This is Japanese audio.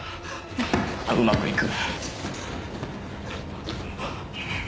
うまく行く。